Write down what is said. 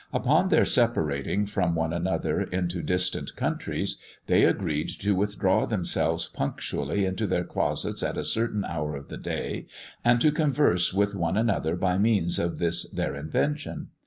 Upon their separating from one another into distant countries, they agreed to withdraw themselves punctually into their closets at a certain hour of the day, and to converse with one another by means of this their invention.